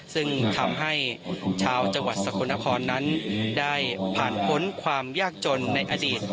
ซึ่งทำให้ชาวจังหวัดสกลนครนั้นได้ผ่านพ้นความยากจนในอดีต